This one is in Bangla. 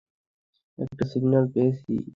একটা সিগন্যাল পেয়েছি!